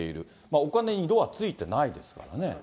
お金に色はついていないですからね。